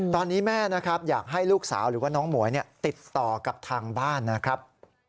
ตอนนี้แม่นะครับอยากให้ลูกสาวหรือว่าน้องหมวยติดต่อกับทางบ้านนะครับ